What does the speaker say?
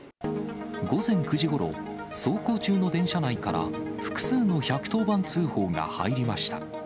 午前９時ごろ、走行中の電車内から、複数の１１０番通報が入りました。